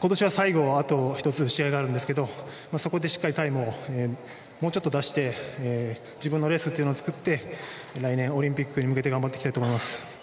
今年は最後あと一つ試合があるんですけどそこでしっかりタイムをもうちょっと出して自分のレースっていうのをつくって来年オリンピックに向けて頑張っていきたいと思います